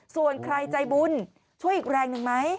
ส่วนใครใจบุญช่วยอีกแรงหนึ่งไหม